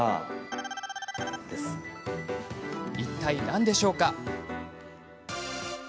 いったい何でしょうか？